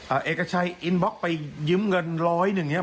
เอ่อเอกชัยอินบล็อกไปยืมเงินร้อยหนึ่งเนี่ย